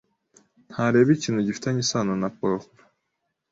ntareba ikintu gifitanye isano na porno